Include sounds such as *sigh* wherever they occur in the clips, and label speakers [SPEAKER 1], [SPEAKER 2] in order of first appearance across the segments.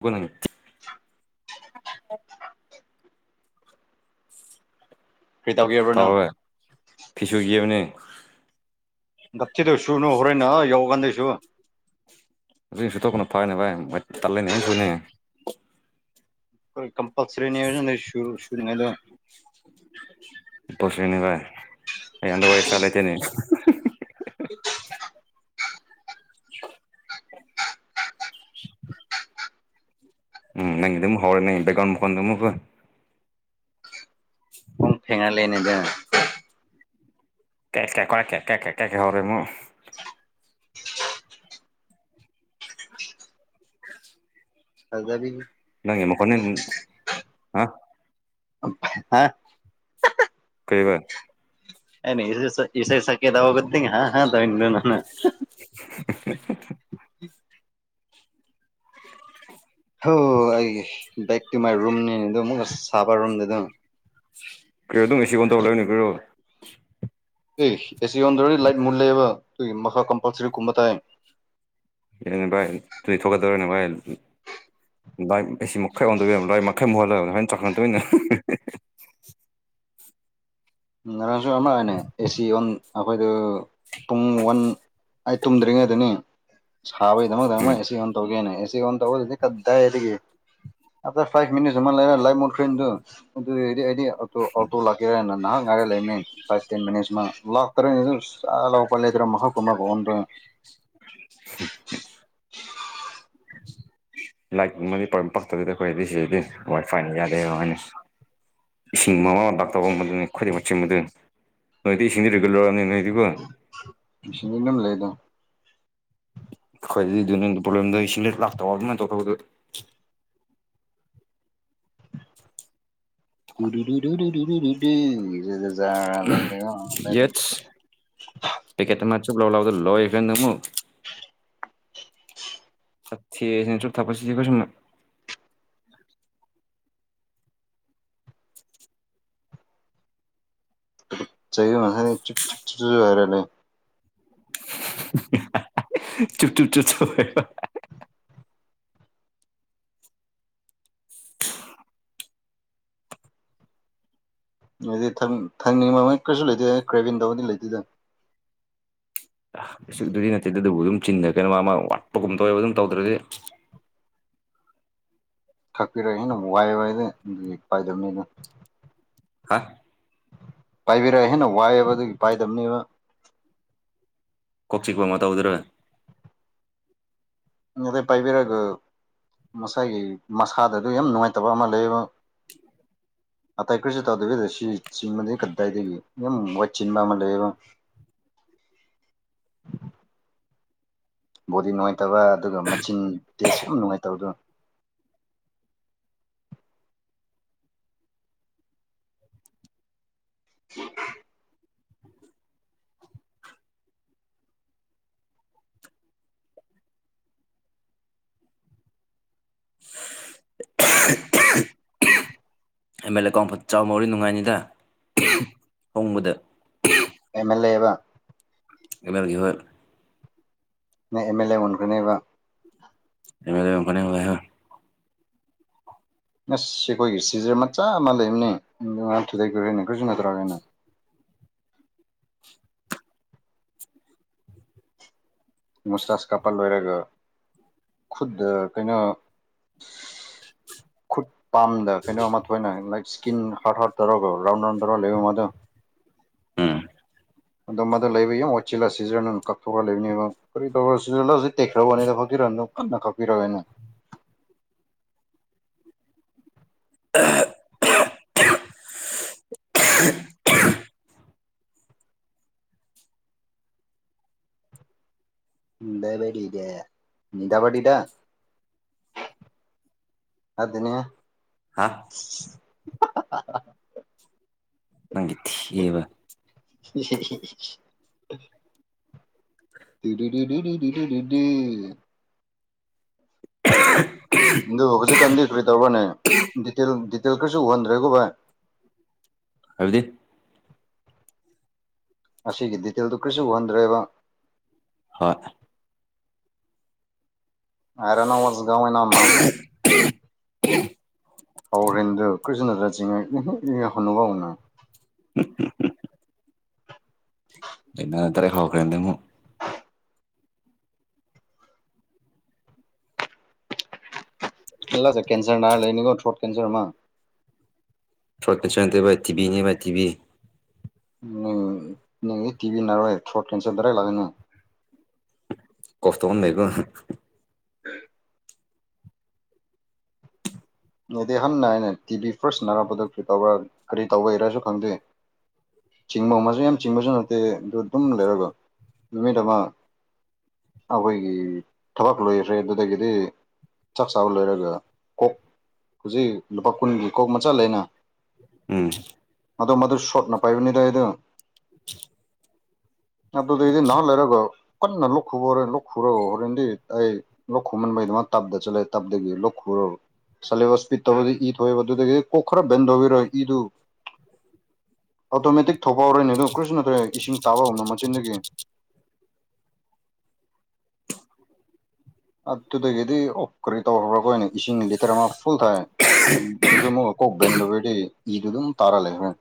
[SPEAKER 1] ꯨ
[SPEAKER 2] *inaudible* *inaudible* ꯀꯩꯇꯧꯒꯦꯕꯔ꯭ ꯅꯪ
[SPEAKER 1] ꯐꯤ ꯁꯨꯕꯤꯕꯅꯦ
[SPEAKER 2] ꯅꯞꯊꯤꯗꯧ ꯁꯨꯔꯨꯅꯨ ꯍꯣꯔꯦꯟꯅ ꯁꯥꯌꯧ ꯀꯥꯟꯗ ꯁꯨ
[SPEAKER 1] ꯑꯗꯨꯖꯤꯛ ꯏꯁꯨ ꯇꯧ ꯀꯩꯅꯣ ꯐꯔꯦꯅꯦ ꯚꯥꯏ ꯃ ꯇꯠꯂꯅꯦ ꯍꯣꯏ ꯁꯁꯨꯅꯦ
[SPEAKER 2] ꯣꯏ ꯀꯝꯄꯜꯁꯔꯤꯅꯤ ꯁꯨꯅꯉꯥꯏꯗ
[SPEAKER 1] ꯄꯣꯁꯅꯤ ꯚ ꯑꯟꯗꯒꯦꯛ ꯁꯂꯥꯏꯇꯦꯅꯤ
[SPEAKER 2] *inaudible*
[SPEAKER 1] *inaudible* *inaudible* ꯎꯝ ꯅꯪ ꯑꯗꯨ ꯍꯔ ꯅꯪꯕꯒꯣꯟ ꯃꯨꯣꯟꯟ ꯃꯒ
[SPEAKER 2] ꯐꯣꯡ ꯐꯦꯡꯅꯥ ꯂꯩꯅꯗ
[SPEAKER 1] ꯀꯩ ꯀꯩ ꯀ ꯀꯦ ꯀꯌꯥ ꯀꯩ ꯀ ꯀꯩ ꯍꯧꯔꯤꯃꯨ *inaudible*
[SPEAKER 2] ꯐꯗꯕꯤꯒꯤ
[SPEAKER 1] ꯅꯪ ꯃꯀꯣꯟꯅꯤ ꯑ
[SPEAKER 2] ꯍꯥ
[SPEAKER 1] ꯀꯩꯕ
[SPEAKER 2] ꯑꯅꯦ ꯏ ꯏꯁ ꯁꯀꯦꯗꯒꯠꯇꯦꯡ ꯍꯥ ꯍꯥ ꯇꯧ ꯏ ꯅ
[SPEAKER 1] *inaudible* *inaudible*
[SPEAKER 2] ꯍ ꯑꯩ ꯕꯦꯛ ꯇꯨ ꯃꯥꯏ ꯔꯨꯝꯅꯤꯅꯦ ꯑꯗꯨꯝ ꯑꯃꯨꯛ ꯁꯥꯕ ꯔꯨꯝꯗ ꯑꯗꯨꯝ
[SPEAKER 1] ꯀ꯭ꯔꯦ ꯑꯗꯨꯝ ꯑꯦ ꯁꯤ ꯀꯣꯟ ꯇꯧꯔ ꯂꯩꯣꯏꯅꯤ ꯀ꯭ꯔꯣ
[SPEAKER 2] ꯑꯦ ꯑꯦꯁꯤ ꯑꯣꯟꯗ꯭ꯔꯗꯤ ꯂꯥꯏꯠ ꯃꯨꯜꯂꯦꯕ ꯑꯗꯨꯒꯤ ꯃꯈꯥ ꯀꯝꯄꯜꯁꯔꯤ ꯀꯨꯝꯕ ꯇꯥꯏ
[SPEAKER 1] ꯅꯦ ꯚꯥꯏ ꯑꯗꯨꯗꯤ ꯊꯣꯛꯀꯠꯇꯧꯔꯅꯦ ꯚꯥꯏ ꯂꯥꯏ ꯑꯁꯤꯁꯤ ꯃꯈꯥꯏ ꯑꯣꯟꯗ ꯌꯥꯕ ꯂꯥꯏ ꯃꯈꯩ ꯃꯨꯍꯜꯂꯕꯅꯤ ꯍꯥꯏꯥꯏꯅ ꯆꯥꯎꯥꯛꯈꯟꯗꯣꯏꯅꯤꯅ
[SPEAKER 2] ꯔꯝꯁ ꯑꯃ ꯑꯣꯏꯅ ꯑꯦꯁꯤ ꯑꯣꯟ ꯑꯩꯈꯣꯏꯗ ꯄꯨꯡ ꯋꯥꯟ ꯑꯩꯠ ꯇꯨꯝꯗ꯭ꯔꯤꯉꯩꯗꯅꯤ ꯁꯥꯕꯒꯤꯗꯃꯛꯇ ꯑꯃ
[SPEAKER 1] ꯎꯝ
[SPEAKER 2] ꯑꯦꯁꯤ ꯑꯣꯟ ꯇꯧꯒꯦꯅ ꯑꯦꯁꯤ ꯑꯣꯟ ꯇꯧꯕꯗꯨꯗꯤ ꯇ ꯐꯥꯏꯚ ꯃꯤꯠ ꯂ ꯂꯥꯏ ꯃꯗ ꯈꯅꯤꯣ ꯑꯗꯨꯗꯤ ꯑꯩꯗꯤ ꯑꯣꯇꯣ ꯂꯥꯛꯀꯦꯔꯥꯅ ꯅꯍ ꯉꯔ ꯂꯩ ꯐ ꯇꯦꯟ ꯂꯥꯛꯇꯔ ꯆꯂꯥꯏ ꯂꯩꯇ꯭ꯔꯣ ꯃꯀꯨꯃ
[SPEAKER 1] ꯍ ꯂꯥꯏꯔꯤꯛꯨꯝꯕꯗꯤ ꯄ ꯄꯛꯇꯕꯤꯗ ꯑꯩꯈꯣꯏꯗꯤ ꯁꯤꯗꯗꯤ ꯍꯣꯏ ꯐꯥꯏꯅ ꯌꯥꯗꯦꯣꯏꯅꯤ ꯏꯁꯤꯡ ꯃꯃꯥ ꯃ ꯗꯥꯛꯇꯔ ꯑꯃꯗꯨ ꯈꯣꯏꯗꯦꯛ ꯃ ꯆ ꯃ ꯑꯗꯨ ꯅꯣꯏꯗꯤ ꯏꯁꯤꯡꯗꯤ ꯔꯤꯒꯨꯜ ꯂꯧꯔꯛꯑꯅꯦ ꯅꯣꯏꯗꯤꯀꯣ
[SPEAKER 2] ꯁꯒꯝ ꯂꯩꯗ
[SPEAKER 1] ꯍꯣꯏ ꯑꯗꯨꯗꯤ ꯅꯪ ꯄ꯭ꯔꯣꯕ꯭ꯂꯦꯝꯗ ꯏꯁꯤꯡ ꯂꯥꯛꯇꯕ ꯑꯗꯨꯃꯥꯏꯅ ꯇꯧꯈꯧꯕꯗꯣ
[SPEAKER 2] *unintelligible* ꯌꯥꯖꯒ ꯂꯩꯖ
[SPEAKER 1] ꯀꯦ ꯃ ꯂ ꯂ ꯂꯣ ꯏꯐꯦꯟ ꯅꯨ ꯆꯠꯊꯦꯁꯤꯅ ꯆꯨꯞ ꯊꯛꯄꯁꯤ ꯀꯩꯁꯨꯝꯅ
[SPEAKER 2] ꯆꯍꯤ ꯃꯁ ꯆꯨꯞ ꯆꯨꯞ ꯆꯨꯞ ꯆ ꯍꯥꯏꯔꯂꯦ
[SPEAKER 1] ꯆꯨꯄ ꯆꯨꯄ ꯆ ꯆ
[SPEAKER 2] ꯑꯗꯨꯗꯤ ꯊꯪꯅꯤꯡꯕꯃꯩ ꯀꯩꯁꯨ ꯂꯩꯇꯦ ꯀ꯭ꯔꯦꯕꯤꯟꯗꯧꯕꯗꯤ ꯂꯩꯗꯣꯏꯗꯪ
[SPEAKER 1] ꯑꯗꯨꯗꯤ ꯅꯠꯇꯦꯗ ꯑꯗꯨꯕꯨ ꯑꯗꯨꯝ ꯆꯤꯟꯟꯅ ꯀꯩꯅꯣ ꯃꯥ ꯋꯥꯠꯄꯒꯨꯝꯕ ꯇꯧꯋꯦꯕ ꯑꯗꯨꯝ ꯇꯧꯗ꯭ꯔꯗꯤ
[SPEAKER 2] ꯊꯛꯄꯤꯔꯛꯑꯦꯅ ꯑꯃꯨꯛ ꯋꯥꯏ ꯋꯥꯏꯗ ꯑꯗꯨꯒꯤ ꯄꯥꯏꯗꯕꯅꯤ ꯑꯗꯨ
[SPEAKER 1] ꯍꯥ
[SPEAKER 2] ꯄꯥꯏꯕꯤꯔꯛꯑꯦ ꯍꯦꯟꯅ ꯋꯥꯏꯑꯦꯕ ꯑꯗꯨꯒꯤ ꯄꯥꯏꯗꯕꯅꯦꯕ
[SPEAKER 1] ꯀꯣꯛ ꯆꯤꯛꯄ ꯑꯃ ꯇꯧꯗꯔ
[SPEAKER 2] *unintelligible* ꯄꯥꯏꯕꯤꯔꯒ ꯃꯁꯥꯏꯒꯤ ꯃꯁꯥꯗꯗ ꯌꯥꯝ ꯅꯨꯡꯉꯥꯏꯇꯕ ꯑꯃ ꯂꯩꯌꯦꯕ ꯑꯇꯩ ꯀꯔꯤꯁꯨ ꯇꯧꯗꯕꯤꯗ ꯁꯤ ꯆꯤꯟꯕꯗꯒꯤ ꯀꯗꯥꯏꯗꯒꯤ ꯌꯥꯝ ꯋꯥꯏ ꯆꯤꯟꯕ ꯑꯃ ꯂꯩꯌꯦꯕ ꯕꯣꯗꯤ ꯅꯨꯡꯉꯥꯏꯇꯕ ꯑꯗꯨꯒ ꯃꯆꯤꯟ ꯇꯦꯁ ꯌꯥꯝ ꯅꯨꯡꯉꯥꯏꯇꯕꯗꯨ *unintelligible*
[SPEAKER 1] ꯑꯦꯝ ꯑꯦꯜ ꯑꯦ ꯀꯥꯎꯐꯠ *unintelligible* ꯅꯨꯡꯉꯥꯏꯅꯤꯗ ꯍꯣꯡꯕꯗ
[SPEAKER 2] ꯑꯦꯝ ꯑꯦꯜ ꯑꯦꯕ
[SPEAKER 1] *unintelligible* ꯍ‌ꯣꯏ
[SPEAKER 2] ꯅꯪ ꯑꯦꯝ ꯑꯦꯜ ꯑꯦ ꯎꯅꯒꯅꯤꯕ
[SPEAKER 1] *unintelligible*
[SPEAKER 2] ꯑꯁ ꯁꯤ ꯑꯩꯈꯣꯏꯒꯤ ꯁꯤꯖꯔ ꯃꯆꯥ ꯑꯃ ꯂꯩꯕꯅꯦ *unintelligible* ꯃꯣꯁꯇꯥꯖ ꯀꯥꯞꯄ ꯂꯣꯏꯔꯒ ꯈꯨꯠꯇ ꯀꯩꯅꯣ *inaudible* ꯈꯨꯠ ꯄꯥꯝꯗ ꯀꯩꯅꯣ ꯑꯃ ꯊꯣꯏꯅ ꯂꯥꯏꯛ ꯁ꯭ꯀꯤꯟ ꯍꯥꯔꯠ ꯍꯥꯔꯠ ꯇꯧꯔꯒ ꯔꯥꯎꯟ ꯔꯥꯎꯟ ꯇꯧꯔꯒ ꯂꯩꯕ ꯃꯗ
[SPEAKER 1] ꯎꯝ
[SPEAKER 2] ꯑꯗꯣ ꯃꯗꯨ ꯂꯩꯕ *unintelligible* ꯁꯤꯖꯔ ꯀꯛꯊꯣꯛꯑꯒ ꯂꯩꯕꯅꯤꯕ *unintelligible* ꯇꯦꯛꯈ꯭ꯔꯕꯣꯅꯤꯗ *unintelligible* ꯀꯟꯅ *unintelligible* ꯂꯩꯕꯒ‌ꯦꯗꯦ ꯗꯥꯕꯂꯤꯗ ꯑꯗꯨꯅꯦ
[SPEAKER 1] ꯍꯥ
[SPEAKER 2] *unintelligible*
[SPEAKER 1] ꯅꯪꯒꯤ ꯊꯤꯕ
[SPEAKER 2] *unintelligible* *unintelligible* ꯑꯗꯨ ꯍꯧꯖꯤꯛꯀꯥꯟꯗꯤ ꯀꯔꯤ ꯇꯧꯕꯔꯅꯦ ꯗꯤꯇꯦꯜ ꯗꯤꯇꯦꯜ ꯈꯔꯁꯨ ꯎꯍꯟꯗ꯭ꯔꯦꯀꯣ ꯚꯥꯏ
[SPEAKER 1] ꯍꯥꯏꯕꯗꯤ
[SPEAKER 2] ꯃꯁꯤꯒꯤ ꯗꯤꯇꯦꯜꯗꯨ ꯀꯔꯤꯁꯨ ꯎꯍꯟꯗ꯭ꯔꯦꯕ
[SPEAKER 1] ꯍꯣꯏ
[SPEAKER 2] *unintelligible* *unintelligible*
[SPEAKER 1] *unintelligible* ꯑꯩꯅ *unintelligible*
[SPEAKER 2] *unintelligible* ꯀꯦꯟꯁꯔ ꯅꯥꯔꯒ ꯂꯩꯅꯦꯀꯣ ꯊ꯭ꯔꯣꯠ ꯀꯦꯟꯁꯔ ꯑꯃ
[SPEAKER 1] ꯊ꯭ꯔꯣꯠ ꯀꯦꯟꯁꯔ ꯅꯠꯇꯦ ꯚꯥꯏ ꯇꯤꯚꯤꯅꯦ ꯚꯥꯏ ꯇꯤꯚꯤ
[SPEAKER 2] *unintelligible* ꯇꯤꯚꯤ ꯅꯥꯔ‌ꯣꯏ ꯊ꯭ꯔꯣꯠ ꯀꯦꯟꯁꯔ ꯗꯥꯏꯔ‌ꯦꯛ *unintelligible*
[SPEAKER 1] ꯀ‌ꯣꯞ ꯇꯧ ꯂꯩꯕꯔ‌ꯣ
[SPEAKER 2] *unintelligible* ꯅ‌ꯣꯏꯗꯤ ꯍꯟꯅ ꯅꯥꯏꯅ‌ꯦ ꯇꯤ ꯚꯤ ꯐꯔꯁ ꯅꯥꯔꯛꯄꯗ ꯀꯩꯗꯧꯕ꯭ꯔꯥ ꯀꯔꯤ ꯇꯧꯕꯩꯔꯁꯨ ꯈꯪꯗꯦ ꯆꯤꯡꯕ ꯑꯃꯁꯨ ꯌꯥꯝ ꯆꯤꯡꯕꯁꯨ ꯅꯠꯇꯦ ꯑꯗꯨ ꯑꯗꯨꯝ ꯂꯩꯔꯒ ꯅꯨꯃꯤꯠ ꯑꯃ ꯑꯩꯈꯣꯏꯒꯤ ꯊꯕꯛ ꯂꯣꯏꯈ꯭ꯔꯦ ꯑꯗꯨꯗꯒꯤꯗꯤ ꯆꯥꯛ ꯆꯥꯕ ꯂꯣꯏꯔꯒ ꯀꯣꯛ ꯍꯧꯖꯤꯛ ꯂꯨꯄꯥ ꯀꯨꯟꯒꯤ ꯀꯣꯛ ꯃꯆꯥ ꯂꯩꯅ
[SPEAKER 1] ꯎꯝ
[SPEAKER 2] ꯃꯥꯗꯣ ꯃꯥꯗꯣ ꯁꯣꯠꯅ ꯄꯥꯏꯕꯅꯤꯗ ꯑꯩ ꯗꯣ
[SPEAKER 1] *unintelligible*
[SPEAKER 2] ꯑꯗꯨꯗꯩꯗꯤ ꯉꯥꯛ ꯂꯩꯔꯒ ꯀꯟꯅ ꯂꯣꯛ ꯈꯨꯕ ꯍꯧꯔꯦ ꯂꯣꯛ ꯈꯨꯔꯥꯒ ꯍꯣꯔꯦꯟꯗꯤ ꯑꯩ ꯂꯣꯛ ꯈꯨꯃꯟꯕꯥꯒꯤ ꯗꯃꯛ ꯇꯞꯗ ꯆꯠꯂꯦ ꯇꯞꯗꯥꯒꯤ ꯂꯣꯛ ꯈꯨꯔꯥꯒ ꯁꯦꯂ‌ꯦꯕꯁ ꯄꯤ ꯇ ꯏꯊ‌ꯣꯛꯑꯦꯕ ꯗꯨꯗꯒꯤꯀꯣ ꯈꯔ ꯕ‌ꯦꯟ ꯇꯧꯕꯤꯔ ꯏꯗꯨ ꯑꯣꯇꯣꯃꯦꯇꯤꯛ ꯊꯧꯕꯥꯥ ꯍꯧꯔꯅꯤ ꯑꯗꯨ ꯀ꯭ꯔꯤꯁꯨ ꯅꯠꯇ꯭ꯔꯦ ꯏꯁꯤꯡ ꯇꯥꯕ ꯍꯧꯅ ꯃꯆꯤꯟꯗꯒꯤ ꯑꯗꯨꯗꯒꯤꯗꯤ ꯑꯣ ꯀ꯭ꯔꯤ ꯇꯧꯈ꯭ꯔꯥꯕ ꯑꯩꯈꯣꯏꯅ ꯏꯁꯤꯡ ꯂꯤꯇꯔ ꯑꯃ ꯐꯨꯜ ꯊꯛꯑꯦ ꯑꯗꯨꯁꯨ ꯑꯃꯨꯛ ꯀꯣꯛ ꯕꯦꯟ ꯇꯧꯕꯒꯤ ꯏꯗꯨ ꯑꯗꯨꯝ ꯇꯥꯔ ꯂꯩꯈꯔ‌ꯦ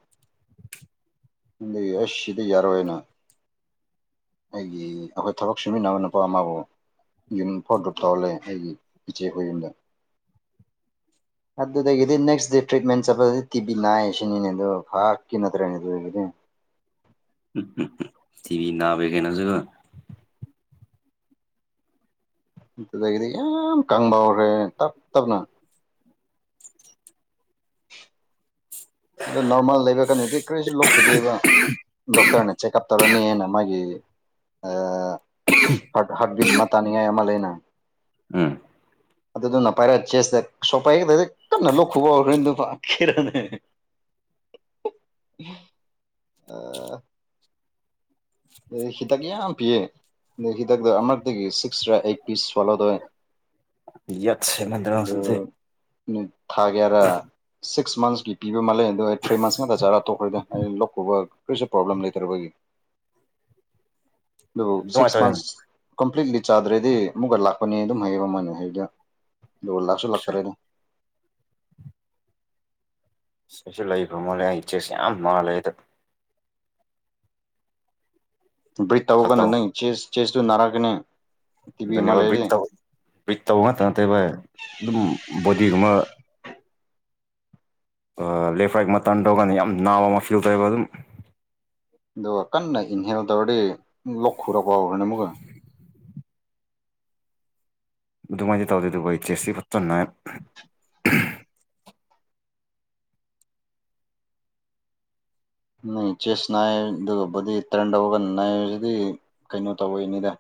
[SPEAKER 2] ꯑꯗꯒꯤ ꯑꯁ ꯁꯤꯗ ꯌꯥꯔꯣꯏꯅ ꯑꯩꯒꯤ ꯑꯩꯈꯣꯏ ꯊꯕꯛ ꯁꯨꯃꯤꯟꯅꯕ ꯅꯨꯄꯥ ꯑꯃꯕꯨ ꯌꯨꯝ *unintelligible* ꯇꯧꯍꯜꯂꯦ ꯑꯩꯒꯤ ꯏꯆꯦꯈꫭꯏ ꯌꯨꯝꯗ ꯑꯗꯨꯗꯒꯤꯗꯤ ꯅꯦꯛꯁ ꯗꯦ ꯇ꯭ꯔꯤꯠꯃꯦꯟ ꯆꯠꯄꯗꯗꯤ ꯇꯤꯚꯤ ꯅꯥꯏꯌꯦ ꯁꯤꯅꯤꯅꯦ ꯑꯗꯨ ꯐꯥꯛꯀꯤ ꯅꯠꯇ꯭ꯔꯦꯅꯦ ꯑꯗꯨꯗꯒꯤꯗꯤ
[SPEAKER 1] *unintelligible* ꯇꯤꯚꯤ ꯅꯥꯕ ꯈꯩꯅꯥꯁꯨ
[SPEAKER 2] ꯑꯗꯨꯗꯒꯤꯗꯤ ꯌꯥꯝ ꯀꯪꯕ ꯍꯧꯈ꯭ꯔꯦ ꯇꯞ ꯇꯞꯅ ꯑꯗꯣ ꯅꯣꯔꯃꯦꯜ ꯂꯩꯕ ꯀꯥꯟꯗꯗꯤ ꯀ꯭ꯔꯤꯁꯨ ꯂꯣꯛ ꯈꯨꯗꯦꯕ ꯗꯣꯛꯇ꯭ꯔꯅ ꯆꯦꯛꯀꯞ ꯇꯧꯔꯥꯅꯤ ꯍꯥꯏꯅ ꯃꯥꯒꯤ ꯍꯥ ꯍꯥꯠꯕꯤꯗ ꯃꯥ ꯇꯥꯅꯤꯉꯥꯏ ꯑꯃ ꯂꯩꯅ
[SPEAKER 1] ꯎꯝ
[SPEAKER 2] ꯑꯗꯨꯗꯨꯅ ꯄꯥꯏꯔꯛ ꯆꯦꯠꯁꯗ *unintelligible* ꯇꯠꯅ ꯂꫭꯛ ꯈꯨꯕ ꯍꯧꯔꯅꯤ ꯑꯗꯨꯒ ꯈꯦꯔꯅꯦ *unintelligible* ꯍꯤꯗꯥꯛ ꯌꯥꯝ ꯄꯤꯌꯦ ꯑꯗꯩ ꯍꯤꯗꯥꯛꯇꯣ ꯑꯃꯔꯛꯇꯥꯒꯤ ꯁꯤꯛꯁꯔꯥ ꯑꯩꯠ ꯄꯤꯁ ꯁ꯭ꯋꯥꯂꯣ ꯇꯧꯋꯦ ꯑꯗꫭ
[SPEAKER 1] ꯌꯥꯠꯁꯦꯃꯟꯗꯅ ꯍꯧꯖꯤꯛꯁꯦ
[SPEAKER 2] ꯊꯥ ꯀꯌꯥꯔ ꯁꯤꯛꯁ ꯃꯟꯠꯁꯀꯤ ꯄꯤꯕ ꯃꯥꯜꯂꯦ ꯑꯗꯣ ꯑꯩ ꯊ꯭ꯔꯤ ꯃꯟꯁ ꯉꯥꯛꯇ ꯆꯥꯔꯥ ꯇꯣꯛꯈ꯭ꯔꯤꯗ ꯑꯩ ꯂꫭꯛ ꯈꯨꯕ ꯀꯔꯤꯁꯨ ꯄ꯭ꯔꯣꯕ꯭ꯂꯦꯝ ꯂꯩꯇ꯭ꯔꯕꯒꯤ ꯑꯗꯨ ꯁꯤꯛꯁ
[SPEAKER 1] ꯑꯗꯨꯃꯥꯏꯅ ꯇꯧꯔꯦ
[SPEAKER 2] ꯃꯟꯊꯁ ꯀꯝꯄ꯭ꯂꯤꯠꯂꯤ ꯆꯥꯗ꯭ꯔꯗꯤ ꯑꯃꯨꯛꯀꯥ ꯂꯥꯛꯄꯅꯦ ꯑꯗꯨꯝ ꯍꯥꯏꯌꯦꯕ ꯃꯣꯏꯅ ꯍꯥꯏꯕꯗ ꯑꯗꯨꯒ ꯂꯥꯛꯁꯨ ꯂꯥꯛꯇ꯭ꯔꯦꯗ
[SPEAKER 1] *unintelligible*
[SPEAKER 2] ꯕ꯭ꯔꯤꯠ ꯇꯧꯔꯒꯅ
[SPEAKER 1] ꯁꯛꯇꯧ
[SPEAKER 2] ꯅꯪ ꯆꯦꯁ ꯆꯦꯁꯇꯨ ꯅꯥꯔꯛꯒꯅꯤ
[SPEAKER 1] ꯑꯗꯨꯅꯦꯕ ꯕ꯭ꯔꯤꯠ ꯇꯧ ꯕ꯭ꯔꯤꯠ ꯇꯧꯕ *unintelligible* ꯑꯗꯨꯝ ꯕꫭꯗꯤꯒꯨꯃ ꯂꯦꯐ ꯔꯥꯏꯠ ꯃꯇꯟ ꯇꯧꯀꯥꯟꯗ ꯌꯥꯝ ꯅꯥꯕ ꯑꯃ ꯐꯤꯜ ꯇꯧꯋꯦꯕ ꯑꯗꯨꯝ
[SPEAKER 2] ꯑꯗꯣ ꯀꯟꯅ ꯏꯟꯍꯦꯜ ꯇꯧꯔꯥꯗꯤ ꯂꯣꯛ ꯈꯨꯔꯛꯄ ꯍꯧꯔꯛꯄꯥꯅꯦ ꯑꯃꯨꯛꯀꯥ
[SPEAKER 1] ꯑꯗꯨꯃꯥꯏꯗꯤ ꯇꯧꯗꯦ ꯗꯨꯕꯨ ꯑꯩ ꯆꯦꯁ ꯁꯤ ꯐꯖ ꯅꯥꯏ
[SPEAKER 2] *inaudible* ꯎꯝ ꯆꯦꯁ ꯅꯥꯏ ꯑꯗꯨꯒ ꯕꯨꯗꯤ ꯇꯔꯟ ꯇꯧꯕꯒꯟ ꯅꯥꯏꯕꯁꯤꯗꯤ ꯀꯩꯅꯣ ꯇꯧꯏꯅꯤꯗ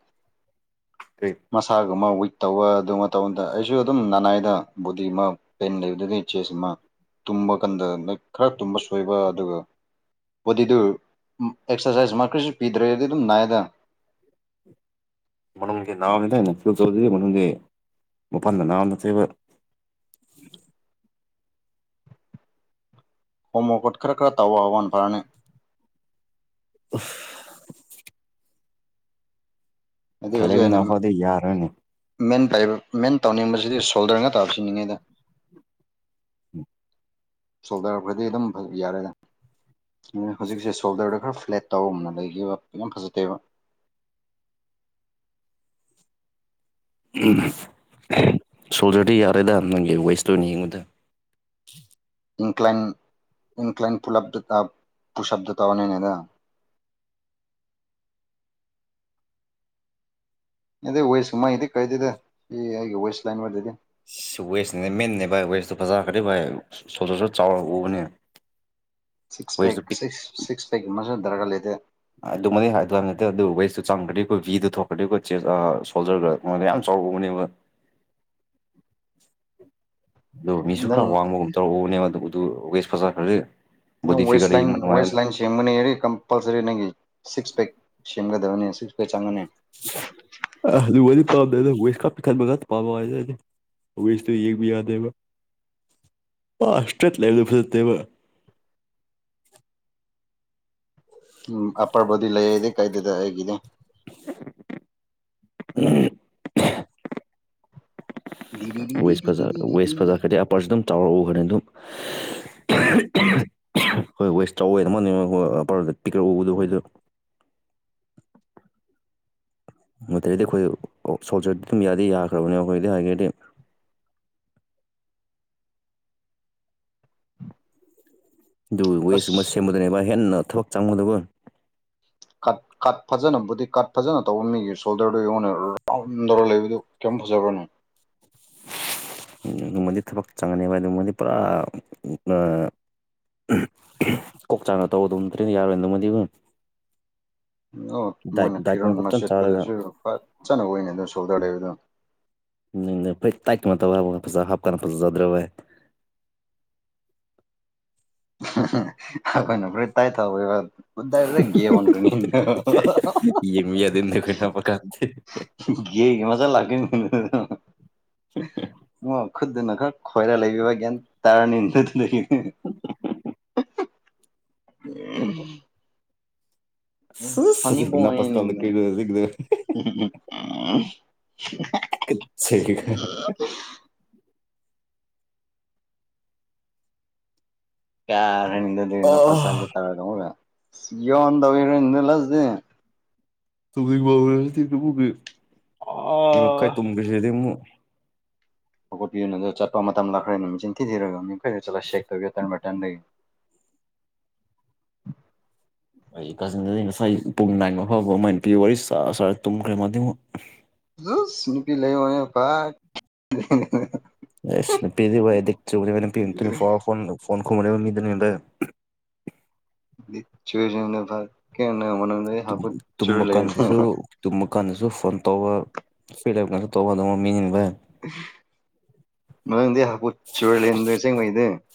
[SPEAKER 1] ꯀ꯭ꯔꯤ
[SPEAKER 2] ꯃꯁꯥꯒꯨꯝꯕ ꯋꯤꯛ ꯇꯧꯕ ꯑꯗꯨꯝꯕ ꯇꯧꯕ ꯃꯇꯝꯗ ꯑꯩꯁꯨ ꯑꯗꯨꯝ ꯂꯥꯅꯥꯏꯗ ꯕꯣꯗꯤꯃꯛ ꯄꯦꯟ ꯂꯩꯕꯗꯨꯗꯤ ꯆꯦꯁ ꯑꯃ ꯇꯨꯝꯕ ꯀꯥꯟꯗ ꯈꯔ ꯇꯨꯝꯕ ꯁꯣꯏꯕ ꯑꯗꯨꯒ ꯕꯣꯗꯤꯗꯨ ꯑꯦꯛꯁ꯭ꯔꯁꯥꯏꯁ ꯃꯥ ꯀ꯭ꯔꯤꯁꯨ ꯄꯤꯗ꯭ꯔꯦ ꯑꯗꯨꯝ ꯅꯥꯏꯌꯦꯗꯥ
[SPEAKER 1] ꯃꯅꯨꯡꯁꯤ ꯅꯥꯕꯅꯤꯗ ꯑꯩꯅ *unintelligible* ꯃꯄꯥꯟꯗ ꯅꯥꯕ ꯅꯠꯇꯦꯕ
[SPEAKER 2] ꯍꯣꯃꯣꯀꯣꯠ ꯈꯔ ꯈꯔ ꯇꯥꯎꯕ ꯍꯧꯕꯒꯥꯟ ꯐꯔꯥꯅꯦ
[SPEAKER 1] *unintelligible*
[SPEAKER 2] ꯍꯥꯏꯩ ꯍꯧꯖꯤꯛ
[SPEAKER 1] ꯈꯥꯏꯂꯩꯕ
[SPEAKER 2] ꯑꯩꯅ
[SPEAKER 1] ꯅꯥꯕ ꯐꯥꯎꯗꯤ ꯌꯥꯔꯣꯏꯅꯦ
[SPEAKER 2] ꯃꯦꯟ ꯄꯥꯏ ꯃꯦꯟ ꯇꯧꯅꯤꯡꯕꯁꯤꯗꯤ ꯁꯣꯜꯗꯔ ꯉ ꯇꯥ ꯁꯤꯅꯤꯡꯉꯩꯗ
[SPEAKER 1] *unintelligible*
[SPEAKER 2] ꯁꯣꯜꯗꯔ ꯐꯔꯗꯤ ꯑꯗꯨꯝ ꯐ ꯌꯥꯔꯦꯗ ꯍꯧꯖꯤꯛꯁꯦ ꯁꯣꯜꯗ꯭ꯔꯗ ꯈꯔ ꯐ꯭ꯂꯦꯠ ꯇꯧꯕ ꯑꯃ ꯂꯩꯈꯤꯕ ꯌꯥꯝ ꯐꯖꯥꯗꯦꯕꯥ
[SPEAKER 1] ꯁꯣꯜꯗꯔꯗꯤ ꯌꯥꯔꯦꯗ ꯅꯪꯒꯤ ꯋꯦꯁꯇꯨꯅꯤ ꯌꯦꯡꯕꯗꫭ
[SPEAKER 2] ꯏꯟꯀ꯭ꯂꯥꯏꯟ ꯏꯟꯀ꯭ꯂꯥꯏꯟ ꯄꯨꯂꯞꯗꯨꯗ ꯄꯨꯁꯑꯕꯗꯣ ꯇꯧꯗ꯭ꯔꯤꯉꯩꯗ ꯏꯗꯦ ꯋꯦꯁꯀꯨꯝꯃꯩꯀꯩꯗꯤ ꯀꯥꯏꯗꯦꯗ ꯑꯩ ꯋꯦꯁ ꯂꯥꯏꯟ ꯑꯣꯏꯔꯗꯗꯤ
[SPEAKER 1] ꯋꯦꯠꯁꯤꯅ ꯃꯦꯟꯅꯦ ꯚꯥꯏ ꯋꯦꯁꯇꯣ ꯐꯖꯥꯈ꯭ꯔꯗꯤ ꯚꯥꯏ ꯁꯣꯜꯗꯔ ꯁꯨ ꯆꯥꯎꯅ ꯎꯕꯥꯅꯦ
[SPEAKER 2] six pack six six pack ꯃꯁꯨ ꯗꯔꯒ ꯂꯩꯇꯦ
[SPEAKER 1] ꯑꯗꯨꯃꯗꯤ ꯍꯥꯏꯗ ꯅꯠꯇꯦ ꯑꯗꯨ ꯋꯦꯁꯇꯨ ꯆꯪꯈ꯭ꯔꯗꯤ ꯑꯩꯈꯣꯏ ꯚꯤꯗꯨ ꯊꯣꯛꯈ꯭ꯔꯗꯤ ꯑꯩꯈꯣꯏ ꯆꯦ ꯁꯣꯜꯗꯔꯒ *unintelligible* ꯃꯉꯣꯟꯗ ꯌꯥꯝ ꯆꯥꯎꯧꯕꯅꯦꯕ ꯑꯗꯣꯒ ꯃꯤꯁꯨ ꯈ꯭ꯔ
[SPEAKER 2] ꯅꯪ
[SPEAKER 1] ꯋꯥꯡꯕꯒꯨꯝ ꯇꯧꯕꯥꯅꯦꯕ ꯑꯗꯨ ꯋꯦꯠꯁ ꯐꯖꯥ ꯈ꯭ꯔꯗꯤ
[SPEAKER 2] ꯅꯪ ꯋꯦꯁ ꯂꯦꯡ ꯋꯦꯁ ꯂꯦꯡ ꯁꯦꯝꯒꯅꯤ ꯍꯥꯏꯗꯤ ꯀꯝꯄꯜꯁꯔꯤ ꯅꯪꯒꯤ ꯁꯤꯛꯁ ꯄꯦꯛ ꯁꯦꯝꯒꯗꯕꯅꯤ ꯁꯤꯛꯁ ꯄꯦꯛ ꯆꯪꯒꯅꯤ
[SPEAKER 1] ꯑꯗꯨ ꯋꯥꯔꯤ ꯄꯥꯝꯗꯦꯗ ꯋꯦꯁ ꯈꯛ ꯄꯏꯛꯍꯟꯕ ꯉꯇ ꯄꯥꯝꯕ ꯋꯥꯅꯤꯗ ꯑꯩꯗꯤ ꯋꯦꯠꯁꯇꯣ ꯌꯦꯡꯕꯥ ꯌꯥꯗꯦꯕ ꯑ ꯏꯁꯇ꯭ꯔꯦꯠ ꯂꯩꯕꯥꯗꯣ ꯐꯖꯥꯗꯦꯕ
[SPEAKER 2] ꯎꯝ ꯑꯞꯄꯔ ꯕꯣꯗꯤ ꯂꯩ ꯑꯩꯗꯤ ꯀꯩꯗꯗ ꯑꯩꯒꯤꯗꯤ
[SPEAKER 1] *unintelligible* ꯋꯦꯠꯁ ꯐꯖꯥ ꯋꯦꯠꯁ
[SPEAKER 2] ꯗꯤꯗꯤꯗꯤꯗꯤꯗꯤꯗꯤꯗꯤꯗꯤ
[SPEAKER 1] ꯐꯖꯥꯈ꯭ꯔꯗꯤ ꯑꯥꯄ꯭ꯔꯁꯨ ꯑꯗꯨꯝ ꯆꯥꯎꯅ ꯎꯕꯥꯅꯦ ꯑꯗꯨꯨꯝ
[SPEAKER 2] *inaudible*
[SPEAKER 1] ꯍꯣꯏ ꯋꯦꯁ ꯆꯥꯎꯋꯦ ꯇꯤꯀꯦ ꯎꯕꯗꯣ ꯑꯩꯈꯣꯏꯗ *unintelligible* ꯃꯔꯗꯤ ꯑꯩꯈꯣꯏ ꯁꯣꯜꯖꯔꯗꯤ ꯑꯗꯨꯝ ꯌꯥꯗꯤ ꯌꯥꯈ꯭ꯔꯕꯅꯦ ꯑꯩꯈꯣꯏꯗꯤ ꯍꯥꯏꯒꯔꯗꯤ ꯑꯗꯨ
[SPEAKER 2] ꯑꯁ
[SPEAKER 1] ꯋꯦꯁꯀꯨꯝꯕ ꯁꯦꯝꯕꯗꯣꯏꯅꯦꯕ ꯍꯦꯟꯅ ꯊꯕꯛ ꯆꯪꯕꯗꯕ
[SPEAKER 2] ꯀꯠ ꯀꯠ ꯐꯖꯅꯕꯨꯗꯤ ꯀꯠ ꯐꯖꯅ ꯇꯧꯕ ꯃꯤꯒꯤ ꯁꯣꯜꯗꯔꯗꯨꯣ ꯑꯩꯉꯣꯟꯗ ꯔꯥꯎꯟꯗꯧꯔ ꯂꯩꯕꯗꯨ ꯀꯔꯤꯝ ꯐꯖꯕ꯭ꯔꯅꯣ
[SPEAKER 1] ꯑꯗꯨꯃꯗꯤ ꯊꯕꯛ ꯆꯪꯒꯅꯦꯕ ꯑꯗꯨꯃꯗꯤ ꯄꯨꯔꯥ ꯀꯣꯛꯆꯥꯡꯅ ꯇꯧꯕ ꯑꯗꯨꯝ ꯇ꯭ꯔꯦꯅ ꯌꯥꯔꯣꯏꯗꯃꯕꯨ
[SPEAKER 2] ꯑꯣ ꯃꯣꯏꯅ ꯐꯤꯔꯣꯣꯟ
[SPEAKER 1] ꯗꯥꯏꯠꯀꯨꯝꯕ ꯐꯖꯅ ꯆꯥꯔꯒ
[SPEAKER 2] ꯃꯆꯦꯠꯄꯗꯁꯨ ꯐꯖꯅꯕ ꯑꯣꯏꯅ ꯑꯣꯏꯅ ꯑꯗꯨꯣ ꯁꯣꯗꯔ ꯂꯩꯕꯗꯣ
[SPEAKER 1] ꯅꯪ ꯐꯩ ꯇꯥꯏꯠ ꯀꯩꯅꯣ ꯇꯧꯒꯦ ꯐꯖ ꯍꯥꯞꯀꯥꯟꯅ ꯐꯖꯗ꯭ꯔꯕꯏ *unintelligible*
[SPEAKER 2] ꯑꯩꯈꯣꯏꯅ ꯐꯔꯤ ꯇꯥꯏꯊꯕ ꯎꯗꯔ꯭ꯔꯒꯦ ꯑꯣꯟꯔꯤꯅꯤ
[SPEAKER 1] ꯌꯦꯡꯕ ꯌꯥꯗꯦ ꯅꯈꯣꯏ ꯅꯞꯄ ꯀꯥꯟꯗꯤ
[SPEAKER 2] ꯌꯦ ꯏꯃꯖꯦ ꯂꯥꯛꯑꯦ ꯃ ꯈꯨꯠꯇꯨꯅ ꯈ꯭ꯔ ꯈꯣꯏꯔ ꯂꯩꯔꯥꯕ ꯒ꯭ꯌꯥꯟ ꯇꯥꯔꯥꯅꯤ ꯑꯗꯨꯗꯒꯤ ꯎ *unintelligible*
[SPEAKER 1] ꯁꯤꯁ
[SPEAKER 2] ꯁꯅꯤ ꯐꯕ ꯅꯗ *unintelligible*
[SPEAKER 1] ꯁ ꯈ
[SPEAKER 2] ꯎꯝ ꯀꯔꯗꯗꯤ ꯏꯅꯣ ꯐꯁꯗ ꯇꯔꯒꯒ ꯏꯣꯟꯟꯔ ꯂꯁꯗꯤꯦ *unintelligible*
[SPEAKER 1] ꯇꯨꯝꯅꯤꯡꯕ ꯑꯣꯏꯔꯗꯤ ꯑꯗꯨꯕꯨꯒꯤ ꯃꯤ ꯃꯈꯥꯏ
[SPEAKER 2] ꯑꯣ
[SPEAKER 1] ꯇꯨꯝꯈ꯭ꯔꯁꯤꯗꯤ ꯑꯃꯨꯛ *unintelligible*
[SPEAKER 2] ꯍꯧꯀꯣꯠꯄꯤꯌꯅ ꯑꯗ ꯆꯠꯄ ꯃꯇꯝ ꯂꯈ꯭ꯔꯦ ꯅꯨꯃꯤꯆꯤꯟ ꯊꯤꯔꯒ ꯌꯡꯈꯩꯗ ꯆꯠꯂꯒ ꯆꯦꯛ ꯇꯧꯤꯨꯇꯔ ꯕꯇꯟꯗꯒꯤ *unintelligible*
[SPEAKER 1] ꯑꯩ ꯀꯥꯖꯤꯟꯗꯗꯤ ꯉꯁꯥꯏ ꯄꯨꯡ ꯅꯥꯏꯟꯕ ꯐꯥꯎꯕ ꯑꯃꯥꯏꯅ ꯄꯤꯌ ꯋꯥꯔꯤꯔꯔ ꯇꯨꯝꯈ꯭ꯔꯦ ꯃꯃꯛ
[SPEAKER 2] ꯁ ꯅꯨꯄꯤ ꯂꯩ ꯑ ꯐ
[SPEAKER 1] ꯑꯦ ꯆ ꯐꯣꯟ ꯐꯣꯟ ꯈ ꯃꯤ
[SPEAKER 2] ꯆꯨꯔ ꯆ ꯐ ꯀꯦ ꯃꯗ ꯍꯥꯄꯠ ꯆꯨꯔ
[SPEAKER 1] ꯇꯨꯝꯕ
[SPEAKER 2] ꯂꯩꯅꯤ
[SPEAKER 1] ꯀꯥꯟꯗꯁꯨ ꯇꯨꯝꯕ ꯀꯥꯟꯗꯁꯨ ꯐꯣꯟ ꯇꯧꯕ ꯐꯤꯗꯕꯞ ꯀꯥꯟꯁꯨ ꯇꯧꯕ ꯑꯗꯨꯝ ꯃꯤꯅꯤꯡꯕ *unintelligible*
[SPEAKER 2] ꯃꯪꯗꯤꯦ ꯍꯨ ꯆꯔ ꯂꯩꯦꯟꯗ ꯆꯦꯉꯥꯏꯗ